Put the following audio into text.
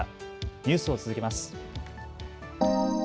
ニュースを続けます。